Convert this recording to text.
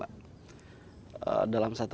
perilakunya secara umum dia berpengalaman